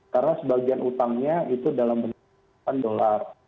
karena sebagian utangnya itu dalam bentuk dolar